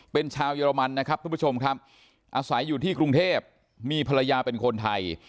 เป็นชาวเยอรมันนะครับทุกผู้ชมครับอาศัยอยู่ที่กรุงเทพมีภรรยาเป็นคนไทย